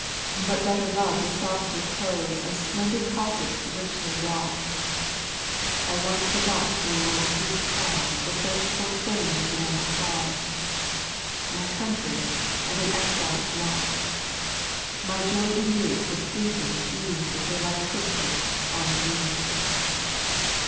саито l' But better loved the soft repose Of splendid carpets ricbly wrought I once forgot for your sweet cause The thirst for fame and man's applause, My country and an exfle's lot ; 1 My joy in youth was fleeting e'en \ As your light footprints on the green.